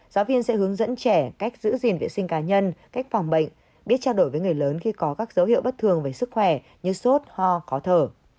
giáo viên sẽ hướng dẫn trẻ cách giữ gìn vệ sinh cá nhân cách phòng bệnh biết trao đổi với người lớn khi có các dấu hiệu bất thường về sức khỏe như sốt ho khó thở